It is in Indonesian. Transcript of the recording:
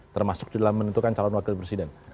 termasuk dalam menentukan calon wakil presiden